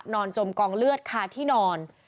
จมกองเลือดคาที่นอน